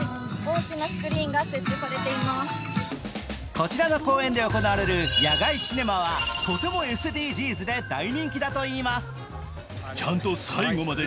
こちらの公園で行われる野外シネマはとてもＳＤＧｓで大人気だといいます。